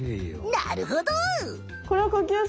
なるほど！